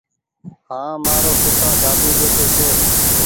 هآنٚ مآرو ڦوڦآ دادو ٻيٺو ڇي